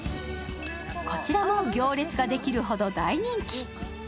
こちらも行列ができるほど大人気。